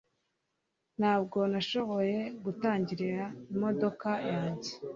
ntabwo nashoboye gutangira imodoka yanjye